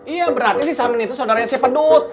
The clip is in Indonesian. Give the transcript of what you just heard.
iya berarti sih samin itu sodara siapa dut